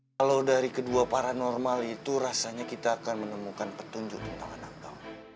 kalau dari kedua paranormal itu rasanya kita akan menemukan petunjuk tentang nakal